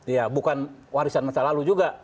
ya bukan warisan masa lalu juga